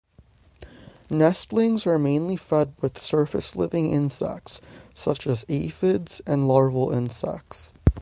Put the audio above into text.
Nestlings are mainly fed with surface-living insects, such as aphids and larval insects.